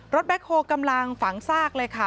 แบ็คโฮลกำลังฝังซากเลยค่ะ